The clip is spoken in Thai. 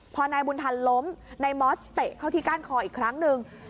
พอนายบุญทันล้มนายมอสเตะเข้าที่ก้านคออีกครั้งหนึ่ง